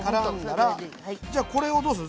じゃあこれをどうする？